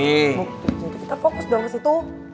buk kita fokus dong kesitu